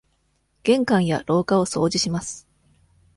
玄関や廊下を掃除します。